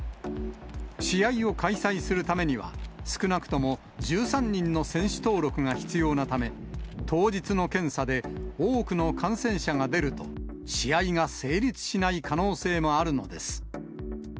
試合を開催するためには、少なくとも１３人の選手登録が必要なため、当日の検査で多くの感染者が出ると、試合が成立しない可能性もあるのです。